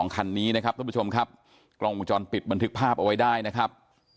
คันนี้นะครับท่านผู้ชมครับกล้องวงจรปิดบันทึกภาพเอาไว้ได้นะครับ